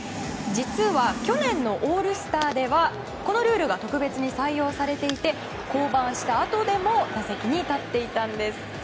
実は、去年のオールスターではこのルールが特別に採用されていて降板したあとでも打席に立っていたんです。